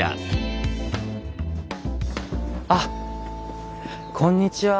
あっこんにちは